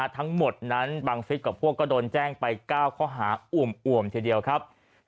ทั้งหมดนั้นบังฟิศกับพวกก็โดนแจ้งไป๙ข้อหาอ่วมทีเดียวครับ